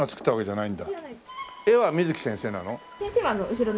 絵は水木先生なの？